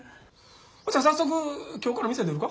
じゃあ早速今日から店出るか？